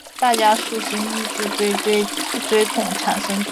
大家熟悉木质锥锥孔产生种子。